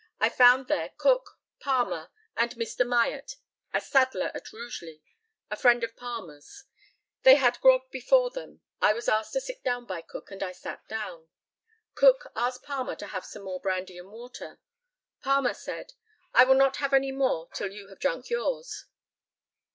I found there Cook, Palmer, and Mr. Myatt, a saddler at Rugeley, a friend of Palmer's. They had grog before them. I was asked to sit down by Cook, and I sat down. Cook asked Palmer to have some more brandy and water. Palmer said, "I will not have any more till you have drunk yours."